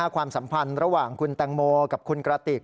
ความสัมพันธ์ระหว่างคุณแตงโมกับคุณกระติก